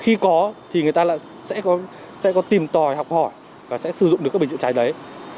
khi có thì người ta lại sẽ có tìm tòi học hỏi và sẽ sử dụng được các bình chữa cháy đấy